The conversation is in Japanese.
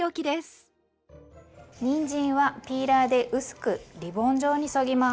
にんじんはピーラーで薄くリボン状にそぎます。